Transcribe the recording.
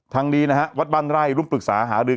ทางนี้นะครับวัดบ้านไร่รุ่นปรึกษาหารือ